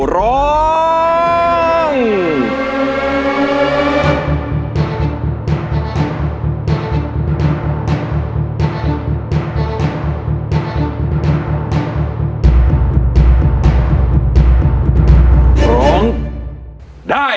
ร้องได้ร้องได้